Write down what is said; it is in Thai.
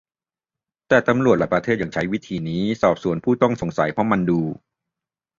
แต่ตำรวจหลายประเทศยังใช้วิธีนี้สอบสวนผู้ต้องสงสัยเพราะมันดู